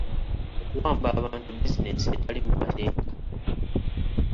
Okuwamba abantu bizinensi etali mu mateeka?